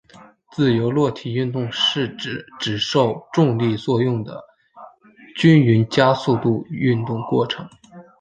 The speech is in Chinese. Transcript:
自由落体运动是指只受重力作用的均匀加速度运动过程。